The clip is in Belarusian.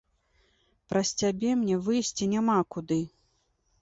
Праз цябе мне выйсці няма куды!